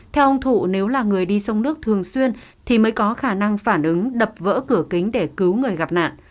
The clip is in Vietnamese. theo ông thụ nếu là người đi sông nước thường xuyên thì mới có khả năng phản ứng đập vỡ cửa kính để cứu người gặp nạn